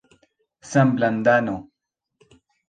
samlandano